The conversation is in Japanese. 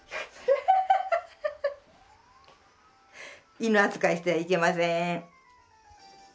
犬扱いしてはいけません。